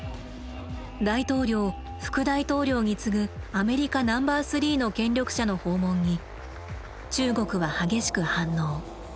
大統領副大統領に次ぐアメリカナンバー３の権力者の訪問に中国は激しく反応。